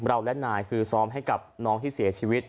และนายคือซ้อมให้กับน้องที่เสียชีวิต